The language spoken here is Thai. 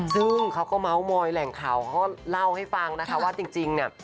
ซึ่งเขาก็เมาส์มอยแหล่งข่าวเขาเล่าให้ฟังนะคะว่าจริงเนี่ย